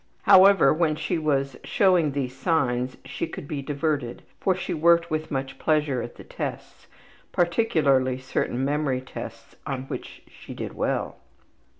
However, when she was showing these signs she could be diverted, for she worked with much pleasure at the tests, particularly certain memory tests on which she did well.